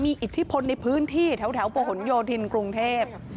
มีอิทธิพลในพื้นที่แถวประหลโยธินกรุงเทพ